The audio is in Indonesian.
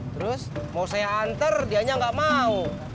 terus mau saya anter dianya nggak mau